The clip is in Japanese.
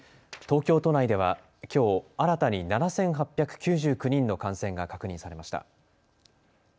東京都内ではきょう新たに７８９９人の感染が確認されました。